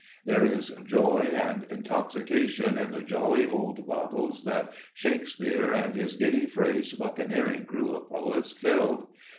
There is still joy and intoxication in the jolly old bottles that Shakespeare and his giddy phrased Buccaneering crew of poets filled!